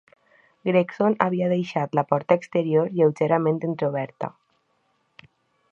Gregson havia deixat la porta exterior lleugerament entreoberta.